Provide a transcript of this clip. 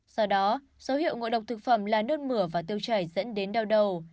do đó dấu hiệu ngộ độc thực phẩm là nôn mửa và tiêu chảy dẫn đến đau đầu